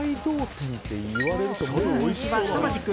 その人気はすさまじく